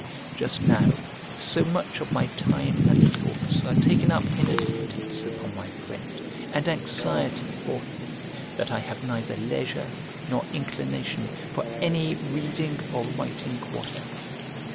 Just now, so much of my time and thoughts are taken up in attendance upon my friend, and anxiety for him, that I have neither leisure nor inclination for any reading or writing whatever.